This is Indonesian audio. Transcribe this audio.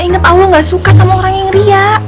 ingat allah gak suka sama orang yang riak